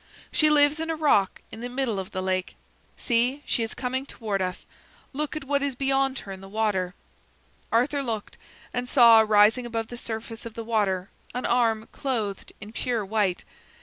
"She lives in a rock in the middle of the lake. See, she is coming toward us. Look at what is beyond her in the water." Arthur looked and saw rising above the surface of the water an arm clothed in pure white.